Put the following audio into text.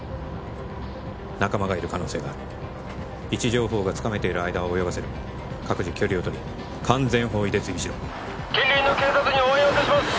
仲間がいる可能性がある位置情報がつかめている間は泳がせる各自距離を取り完全包囲で追尾しろ近隣の警察に応援を要請します